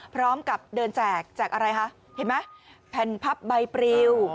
พร้อมกับเดินแจกแจกอะไรคะเห็นไหมแผ่นพับใบปริว